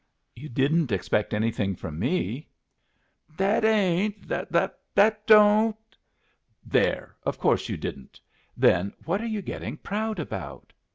You didn't expect anything from me?" "That ain't that don't " "There! Of course you didn't. Then, what are you getting proud about?